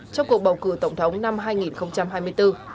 trong cuộc bầu cử tổng thống năm hai nghìn hai mươi bốn